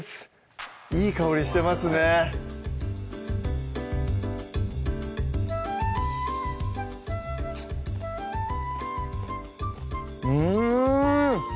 いい香りしてますねうん！